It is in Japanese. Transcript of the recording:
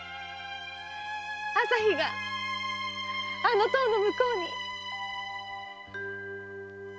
朝日があの塔の向こうに！